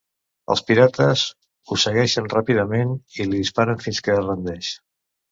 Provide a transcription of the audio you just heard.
Els pirates ho segueixen ràpidament i li disparen fins que es rendeix.